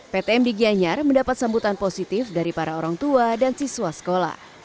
ptm di gianyar mendapat sambutan positif dari para orang tua dan siswa sekolah